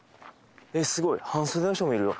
えっすごい半袖の人もいるよ